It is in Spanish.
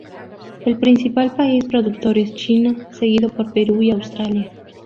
El principal país productor es China, seguido por Perú y Australia.